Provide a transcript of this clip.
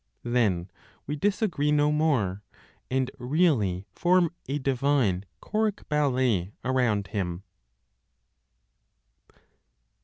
Then we disagree no more, and really form a divine choric ballet around Him.